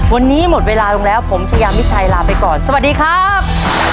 วันนี้หมดเวลาลงแล้วผมชายามิชัยลาไปก่อนสวัสดีครับ